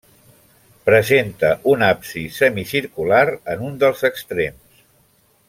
Presenta un absis semicircular en un dels extrems.